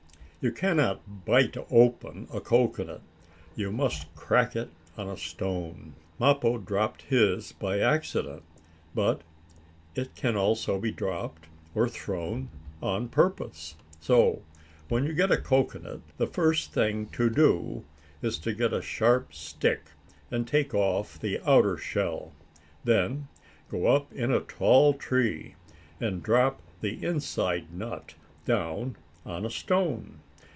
You cannot bite open a cocoanut. You must crack it on a stone. Mappo dropped his by accident, but it can also be dropped, or thrown, on purpose. So, when you get a cocoanut, the first thing to do is to get a sharp stick, and take off the outer shell. Then, go up in a tall tree, and drop the inside nut down on a stone.